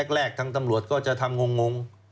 แรกทางตำรวจก็จะทำงง